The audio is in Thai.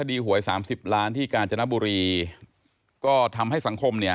หวยสามสิบล้านที่กาญจนบุรีก็ทำให้สังคมเนี่ย